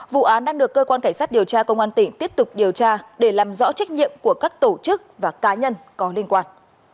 vụ án đang được cơ quan cảnh sát điều tra công an tỉnh tiếp tục điều tra để làm rõ trách nhiệm của các tổ chức và cá nhân có liên quan